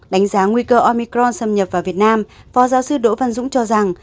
đánh giá nguy cơ omicron xâm nhập vào việt nam phó giáo sư đỗ văn dũng cho rằng